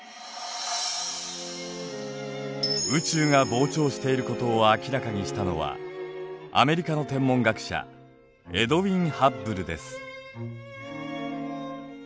宇宙が膨張していることを明らかにしたのはアメリカの天文学者エドウィン・ハッブルです。